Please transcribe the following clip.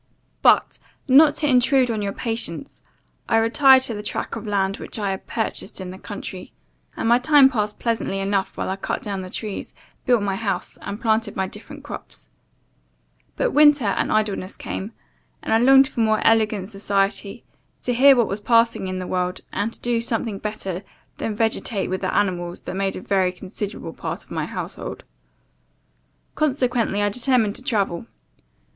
"But, not to intrude on your patience, I retired to the track of land which I had purchased in the country, and my time passed pleasantly enough while I cut down the trees, built my house, and planted my different crops. But winter and idleness came, and I longed for more elegant society, to hear what was passing in the world, and to do something better than vegetate with the animals that made a very considerable part of my household. Consequently, I determined to travel.